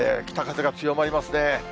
北風が強まりますね。